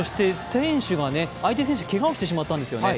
相手選手がけがをしてしまったんですよね。